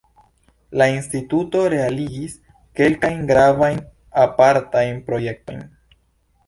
La instituto realigis kelkajn gravajn apartajn projektojn.